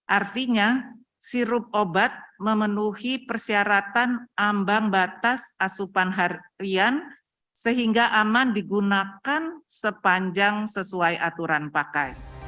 artinya sirup obat memenuhi persyaratan ambang batas asupan harian sehingga aman digunakan sepanjang sesuai aturan pakai